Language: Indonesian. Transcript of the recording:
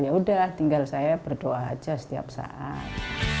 yaudah tinggal saya berdoa aja setiap saat